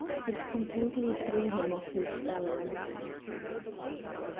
It completely threw him off his balance.